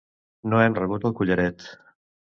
No hem rebut el collaret.